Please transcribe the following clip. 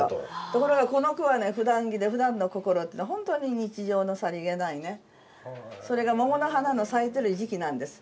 ところがこの句はね「ふだん着でふだんの心」って本当に日常のさりげないねそれが桃の花の咲いてる時期なんです。